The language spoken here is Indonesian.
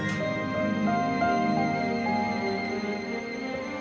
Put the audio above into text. perbuatan abu abu itu ada juga